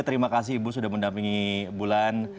terima kasih ibu sudah mendampingi bulan